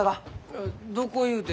えっどこ言うて。